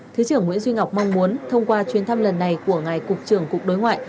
thứ trưởng nguyễn duy ngọc mong muốn thông qua chuyến thăm lần này của ngài cục trưởng cục đối ngoại